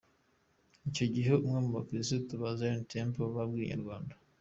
Icyo gihe umwe mu bakristo ba Zion Temple yabwiye Inyarwanda.